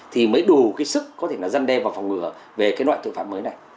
thì mới đủ cái sức có thể là dân đe và phòng ngừa về cái loại tội phạm mới này